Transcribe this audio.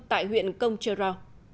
tại huyện công chơ ro